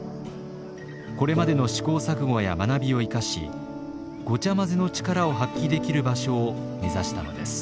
これまでの試行錯誤や学びを生かし「ごちゃまぜ」の力を発揮できる場所を目指したのです。